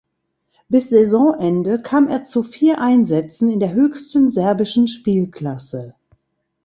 Bis Saisonende kam er zu vier Einsätzen in der höchsten serbischen Spielklasse.